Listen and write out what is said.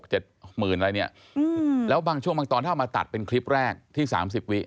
๖๗หมื่นอะไรเนี่ยแล้วบางช่วงบางตอนถ้ามาตัดเป็นคลิปแรกที่๓๐วิ